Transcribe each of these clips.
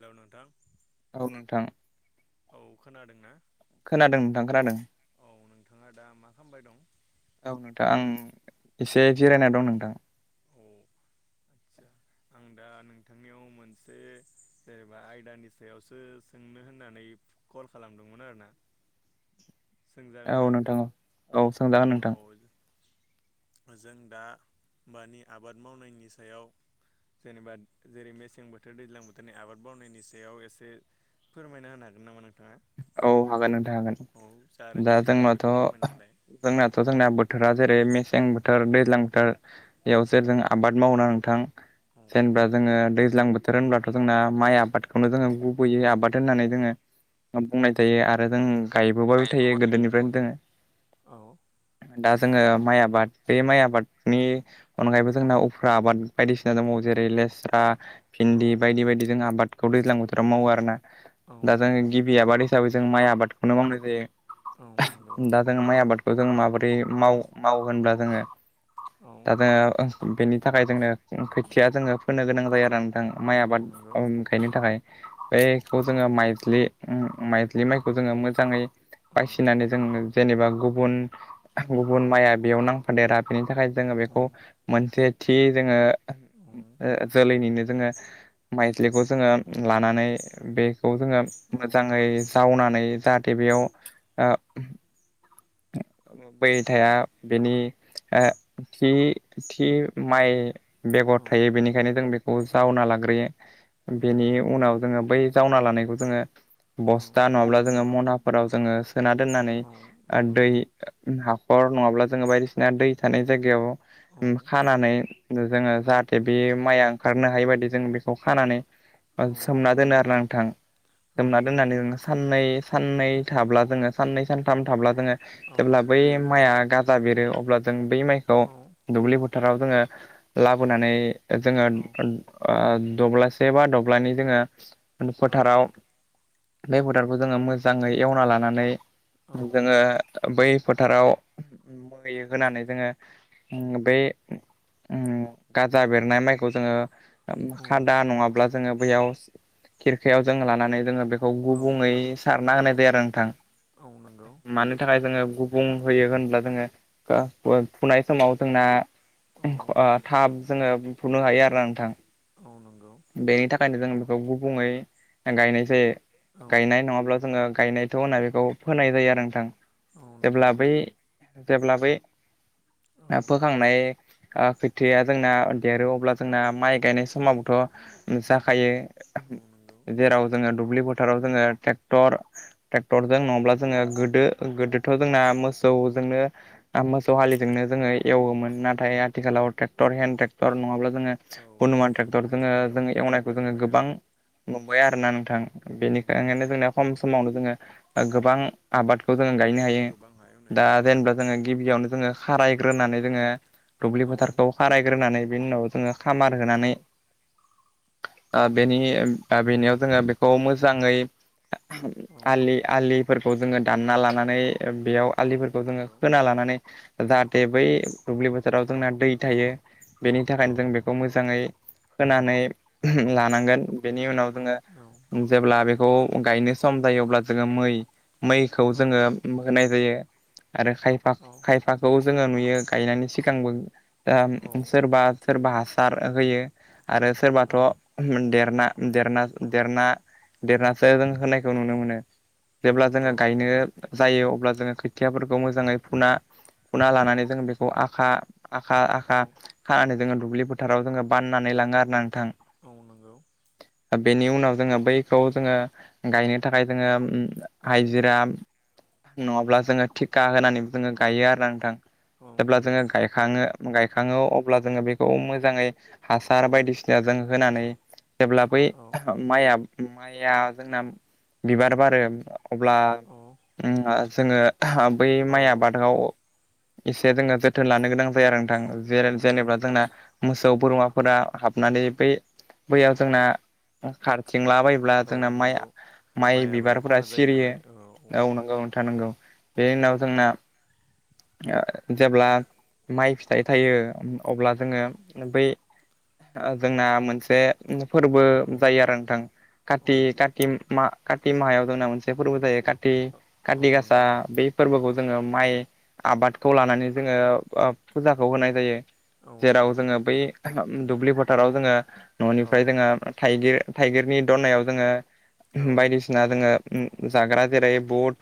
हेल' नोंथा औ नोंथां खोनादोंना खोनादों नोंथां खोनादों औ नोंथाङा दा मा खालामबाय दं औ नोंथां आं एसे जिरायना दं नोंथां औ आदसा आं दा नोंथांनियाव मोनसे जेनेबा आयदानि सायावसो सों नो होन्नानै कल खालामदोंमोन आरोना सोंजागोन ना औ नोंथां औ औ सोंजागोन औ नोंथां जों दा मानि आबाद मावनायनि सायाव जेनेबा जेरै मेसें बोथोर दैज्लां बोथोरनि आबाद मावनायनि सायाव एसे फोरमायना होनो हागोन नामा नोंथाङा औ हागोन नोंथां हागोन औ जा दा रोंगौथि दं जोंनाथ' बेखौ फोरमायना होलाय जोंनाथ' जोंना बोथोरा जेरै सें बोथोर दैज्लां बोथोर बेयावसो जों आबाद मावओना नोंथां औ जेनेबा जोङो दैज्लां बोथोर होनब्लाथ' जोंना माइ आबादखौनो जोङो गुबै‌यै औ आबाद होननानै जोङो बुंनाय जायो आरो जों गायबोबायबो थायो गायबोबाय गोदोनिफ्रायनो दोङो औ दा जोङो माइ आबाद बे माइ आबादनि अनगायैबो जोंना उफ्रा आबाद बायदिसिना दङ जेरै लेस रा औ भिन्दि बायदि बायदि जों आबादखौ दैज्लां बोथोराव मावो आरोना औ दा जोङो नंगौ गि। हिसाबै जों माइ आबादखौनो मावनाय औ नंगौ जायो दा जों माइ आबाद खौ जों माबोरै माव मावो होनब्ला जोङो औ दा जोङो बेनि थाखाय जोंनो खोथिया जोङो फोनो गोनां जायो आरो नोंथां माइ औ आबाद नंगौ गायनो थाखाय बेखौ औ जोङो माइज्लि माइज्लि माइखौ जोङो मोजाङै बासिनानै जोङो जेनेबा गुबुन गुबुन माइआ बेयाव नांफादेरा बेनि थाखाय जोङो औ बेखौ मोनसे थि जोङो जोलैनिनो जोङो माइज्लिखौ जोङो लानानै बेखौ जोङो औ मोजाङै जावनानै जाहाथे बेयाव ओ [inaudible] बै थाया बेनि ओ थि थि माइ बेगर थायो बेनिखायनो जों बेखौ जावना लाग्रोयो औ बेनि नंगौ उनाव जोङो बै जावना लानायखौ जोङो औ बस्था नङाब्ला जोङो मनाफोराव जोङो सोना दोननानै औ ओ नंगौ दै हाखर नङाब्ला जोङो बायदिसिना दै थानाय जायगायाव औ खानानै जोङो जाहाथे बे माइआ ओंखारनो हायि बायदि जों बे खौ खानानै सोमना दोनो आरो ना नांथां औ सोमना नंगौ दोननानै जों साननै साननै थाब्ला जोङो साननै सानथाम थाब्ला जोङो औ जेब्ला औ बै माइआ गाजा बेरो अब्ला जों बै माइखौ औ औ औ दुब्लि फोथाराव जोङो लाबोनानै जोङो औ नंगौ औ ओ दब्लायसे बा दब्लायनै जोङो। फोथाराव बे फोथारखौ जोङो मोजाङै एवना लानानै औ। जोङो बै फोथाराव मै होनानै जोङो बै गाजा बेरनाय माइखौ जोङो खादा नङाब्ला जोङो बैयाव खिरखायाव जों लानानै जोङो बे खौ गुबुङै सारना होनाय जायो आरो नोंथां मानि थाखाय जोङो गुबुं होयो होनब्ला जोङो फुनाय समाव जोंना। थाब जोङो फुनो हायो आरो ना नोंथां। औ नंगौ बेखायनो जों बेखौ गुबुङै गायनाय जायो औ गायनाय नङाब्ला जोङो गायनायथ' होनना बेखौ फोनाय जायो आरो नोंथां औ नंगौ जेब्ला बै जेब्ला बै औ फोखांनाय खोथिया जोंना देरो अब्ला जोंना माइ गायनाय औ समावबोथ' जाखायो। नंगौ जेराव जोङो दुब्लि फोथाराव जोङो ट्रेक्टर औ ट्रेक्टरजों नङाब्ला जोङो गोदो गोदोथ' जोंना मोसौजोंनो मोसौ हालिजोंनो जोङो एवोमोन नाथाय आथिखालाव ट्रेक्टर हेन्द टेक्टर नङाब्ला जोङो औ हुनुमान नंगौ ट्रेक्टर जोङो आथिखालाव जों एवनायखौ जोङो जावगाजोब्बाय गोबां नालाय नुबाय आ रोना नोंथां औ बेनिखायनो नंगौ जोंना खम समावनो जोङो गोबां आबादखौ जोङो औ गायनो हायो गोबां हायावनो दा हायो जेनेबा जोङो गिबियावनो जोङो खारायग्रोनानै जोङो दुब्लि औ फोथारखौ खारायग्रोनानै बेनि उनाव जोङो खामार होनानै औ ओ बेनि बेनियाव जोङो बेखौ मोजाङै औ आलि आलिफोरखौ जोङो दानना लानानै बेयाव औ आलिफोरखौ जोङो नंगौ। खोना लानानै जाहाथे बै दुब्लि बोथोराव जोंना दै थायो बेनि औ थाखायनो जों बेखौ मोजाङै खोनानै औ लानांगोन बेनि उनाव जोङो औ जेब्ला बेखौ गायनो सम जायो अब्ला जोङो मै मैखौ जोङो होनाय जायो। आरो खायफा औ खायफाखौ जोङो नुयो गायनायनि सिगांबो दा औ सोरबा सोरबा हासार होयो आरो औ सोरबाथ' देरना देरना देरनासो जों होनायखौ नुनो मोनो औ जेब्ला जोङो नंगौ। गायनो जायो अब्ला जोङो खोथियाफोरखौ मोजाङै फुना फुना औ लानानै जोङ बेखौ आ खा आखा औ आखा खानानै जोङो दुब्लि फोथाराव जोङो बाननानै लाङो आरो ना नोंथां। औ नोंगौ बेनि उनाव जोङो बैखौ जोङो गायनो थाखाय जोङो औ हाइजिरा नङाब्ला जोङो थिखा होनानै जोङो औ गायो आरोना नोंथां। औ जेब्ला नंगौ। जोङो गायखाङो गायखाङो अब्ला जोङो बेखौ मोजाङै हासार औ बायदिसिना जों होनानै जेब्ला बै औ माइआ माइआ जोंना बिबार बारो अब्ला औ उम आ जोङो हा बै औ माइ आबादाव एसे जोङो जोथोन लानो गोनां जायो आरोना नोंथां। औ जेरे नंगौ। जेनेबा जोंना मोसौ बोरमाफोरा हाबनानै बै बैयाव जोंना खार हेंला बायब्ला जोंना औ माया नंगौ। माइ आबादा बिबारफोरा खहा जायो सिरियो। नालाय औ औ नंगौ नोंथां नंगौ। बेनि उनाव जोंना ओ जेब्ला माइ फिथाइ थायो अब्ला जोङो बै ओ जोंना मोनसे फोरबो औ जायो आरो नोंथां औ काति काति मा काति माहायाव जोंना मोनसे फोरबो जायो का ति औ काति गासा नंगौ बे फोरबोखौ औ जोङो माइ आबादखौ लानानै जोङो ओ फुजाखौ होनाय जायो। औ जेराव नंगौ जोङो बै दुब्लि फोथाराव जोङो औ न'निफ्राय जोङो थाइगिर थाइगिरनि दनायाव जोङो औ बायदिसिना जोङो ओ जाग्रा जेरै बुट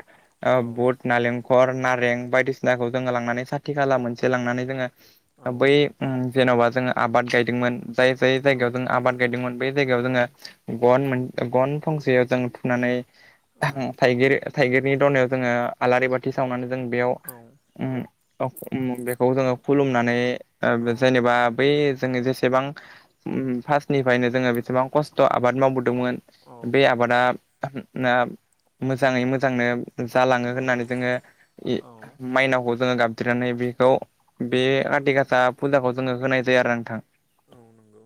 ओ औ बुट नालें खर नारें बायदिसिनाखौ जोङो लांनानै साथि खाला मोनसे लांनानै जोङो औ बै उम जेन'बा जोङो आबाद गायदोंमोन। जाय जाय औ जायगायाव जों आबाद गायदोंमोन बै जायगायाव जोङो गन मोन गन फंसेयाव जों थुनानै थाइगिर थाइगिरनि दनायाव जोङो आलारि बाथि सावनानै जों बेयाव अ उम बेखौ जोङो खुलुमनानै ओ जेनेबा बै जोंनि जेसेबां उ फास्तनिफ्रायनो जोङो बेसेबां खस्थ' आबाद मावबो दोंमोन बे आबादा अ न मोजाङै मोजांनो जालाङो होननानै जोङो इ औ जोङो गाबज्रिनानै बेखौ बे औ आथिक आसा फुजाखौ जोङो होनाय जायो आरोना नोंथां। औ नंगौ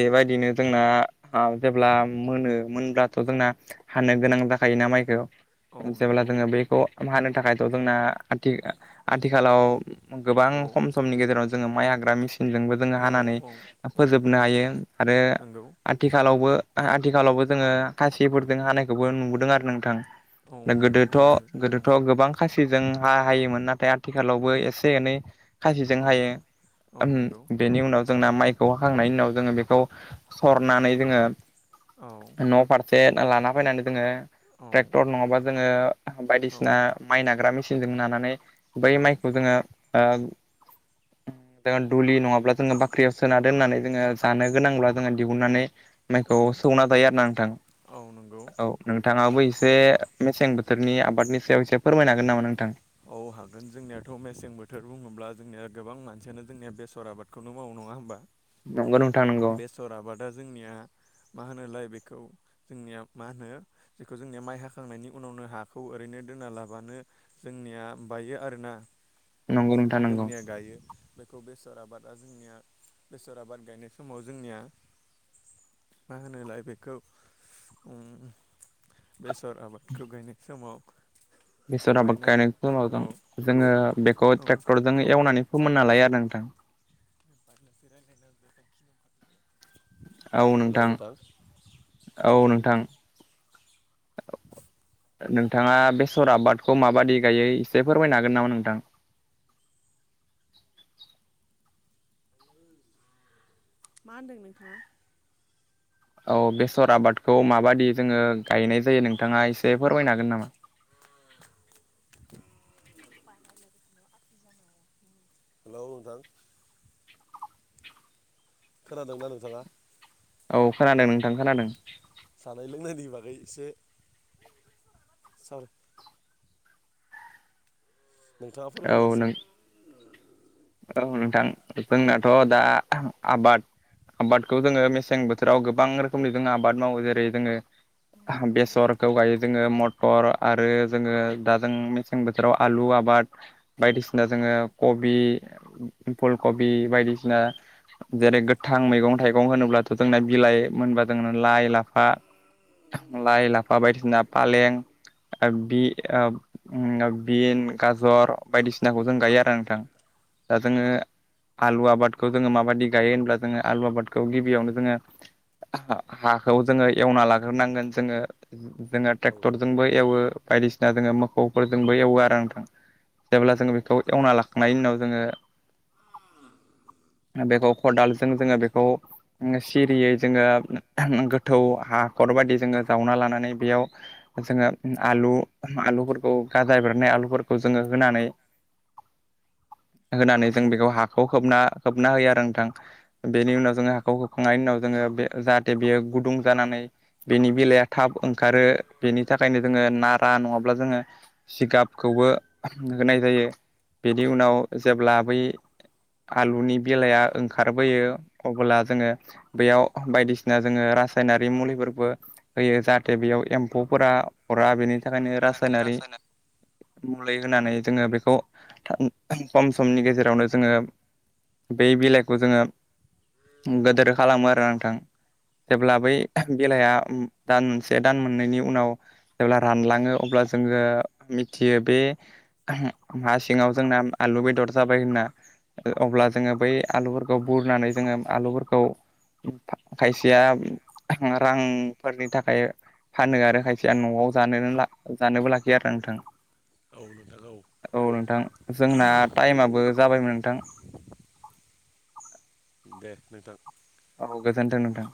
बेबायदिनो जोंना अ जेब्ला मोनो मोनब्लाथ' जोंना हानो गोनां जाखायोना माइखौ। औ जेब्ला नंगौ जोङो बेखौ हानो थाखायथ' जोंना आथिख आथिखालाव गोबां औ खम समनि गेजेराव जोङो माइ हाग्रा मेसि जोंबो जोङो औ हानानै औ फोजोबनो हायो आरो नंगौ आथिखालावबो आ आथिखालावबो जोङो खासिफोरजों हानायखौबो नुबोदों आरो नोंथां। औ दा नंगौ गोदोथ' नुदों औ गोदोथ' गोबां खासिजों हा हायोमोन नाथाय आ थिखालावबो एसे एनै खासिजों औ हायो। औ उम नंगौ बेनि उनाव जोंना माइखौ हाखांनायनि उनाव जोङो बेखौ सरनानै जोङो औ न' फार से लाना फैनानै जोङो ट्रेक्टर नङाबा जोङो औ बायदिसिना ग्रा मेसिनजों नानानै बै औ माइखौ जोङो ओ जोङो दुलि नङाब्ला जोङो बाख्रियाव सोना दोननानै जोङो जानो गोनांब्ला जोङो दिहुननानै माइखौ सौना जायो आरोना नोंथां। औ नंगौ औ नोंथाङाबो ए से मेसें बोथोरनि आबादनि सायाव एसे फोरमायनो हागोन नामा नोंथां। औ हागोन जोंनियाथ' मेसें बोथोर बुङोब्ला जोंनिया गोबां मानसियानो जोंनिया बेसर आबादखौनो मावो नङा होमबा। नंगौ नोंथां नंगौ बेसर आबादा जोंनिया मा होनोलाय बे औ जोंनिया मा होनो जेखौ जोंनिया माइ हाखांनायनि उनावनो हाखौ ओरैनो दोना लाबानो जोंनिया बायो आरोना नंगौ नोंथां नंगौ जोंनिया गायो। बेखौ बेसर आबादा जोंनिया बेसर आबाद गायनाय समाव जोंनिया मा होनोलाय बेखौ ओम बेसर आबादखौ गायनाय समाव बेसर आबाद बायनाय गायनाय समनावजों औ जोङो बेखौ औ ट्रेक्टरजों एवनानै फोमोनना लायो आरो नोंथां। बारनोसेरायखायनो बे गिन [unintelligible] [unintelligible] औ नोंथां, औ नोंथां नोंथाङा बेसर आबादखौ माबादि गायो एसे फोरमायनो हागोन नामा नोंथां। [inaudible] मा होनदों नोंथाङा? औ बेसर आबादखौ माबाददि जोङो गायनाय जायो नोंथाङा एसे फोरमायनो हागोन नामा? [inaudible] हेल' नोंथां। खोनादोंना नोंथाङा? औ खोनादों नोंथां खोनादों। जानाय लोंनायनि बागै एसे सर नोंथाङा फोरमायलाय औ एसै नों औ नोंथां जोंनाथ' दा आबाद आबादखौ जोङो मेसें बोथोराव गोबां रोखोमनि जोङ आबाद मावो जेरै जोङो बेसरखौ गायो जोङो मटर आरो जोङो दा जों मेसें बोथोराव आलु आबाद बायदिसिना जोङो कबि, फुल कबि बायदिसिना जेरै गोथां मैगं थाइगं होनोब्लाथ' जोंना बिलाइ मोनबा जोंना लाइ, लाफा लाइ, लाफा बायदिसिना फालें ओ बि ओ ओम बिन, गाजर बायदिसिनाखौ जों गायो आरो नोंथां। दा जादोंङो आलु आबादखौ जोङो माबायदि गायो होनब्ला जोङो आलु आबादखौ गिबियावनो जोङो हा हाखौ जोङो एवना लाग्रोनांगोन जोङो जोङो औ नोंथां ट्रेक्टरजोंबो एवो बायदिसिना जोङो मोसौफोरजोंबो एवो आरो नोंथां जेब्ला जोङो बेखौ एवना लाखो थांनायनि उनाव जोङो ओम बेखौ खदालजों जोङो बेखौ सिरियै जोङो गोथौ हाखर बायदि जोङो जावना लानानै बेयाव जोङो आलु आलुफोरखौ गाजा बेरनाय आलुफोरखौ जोङो होनानै [inaudible] होनानै जों बेखौ हाखौ खोबना खोबना होयो आरो नोंथां बेनि उनाव जों हाखौ होखांनायनि उनाव जों ओ बे जाहाथे बेयो गुदुं जानानै बेनि बेलाया थाब ओंखारो बेनि थाखायनो जोङो नारा नङाब्ला जोङो जिगाबखौ खौ होनाय जायो बेनि उनाव जेब्ला बै आलुनि बेलाया ओंखारबोयो अब्ला जोङो बेयाव बायदिसिना जोङो रासायनारि मुलिफोरबो होयो जाहाथे बेयाव एम्फौफोरा हरा बेनि थाखायनो रासायनारि रासायना मुलि होनानै जोङो बेखौ खम समनि गेजेरावनो जोङो बै बिलाइखौ जोङो गोदोर खालामो आरो नोंथां। जेब्ला बै बेलाया दानसे दान मोननैनि उनाव जेब्ला रानलाङो अब्ला जोङो मिथियो बे हा सिङाव जोंना आलु बेदर जाबाय होनना अब्ला जोङो बै आलुफोरखौ बुरनानै जोङो आलुफोरखौ फा खायसेया रांफोरनि थाखाय फानो आरो खायसेया न'आव जनोनोला जानोबो लाखियो आरो नोंथां औ नोंथां औ औ नोंथां जोंना टाइमाबबो जाबायमोन नोंथां। दे नोंथां अग द थ